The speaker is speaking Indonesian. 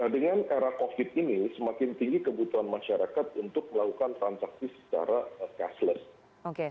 dengan era covid ini semakin tinggi kebutuhan masyarakat untuk melakukan transaksi secara cashless